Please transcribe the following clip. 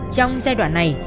trong giai đoạn này